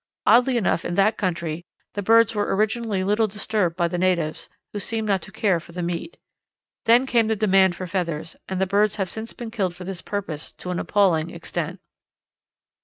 Oddly enough in that country the birds were originally little disturbed by the natives, who seem not to care for meat. Then came the demand for feathers, and the birds have since been killed for this purpose to an appalling extent.